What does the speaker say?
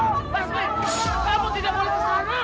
masmi kamu tidak boleh ke sana